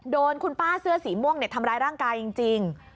โดนคุณป้าเสื้อสีม่วงทำร้ายร่างกายจริง